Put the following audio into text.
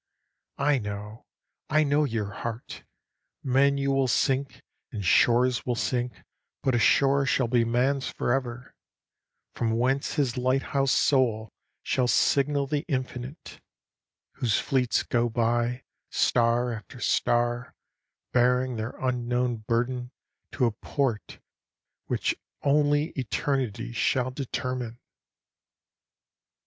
I know, I know your heart! Men you will sink, and shores will sink; but a shore shall be man's forever, From whence his lighthouse soul shall signal the Infinite, Whose fleets go by, star after star, bearing their unknown burden To a Port which only eternity shall determine!